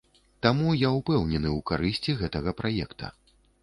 Таму я ўпэўнены ў карысці гэтага праекта.